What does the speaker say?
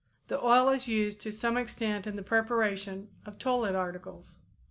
The oil is used to some extent in the preparation of toilet articles.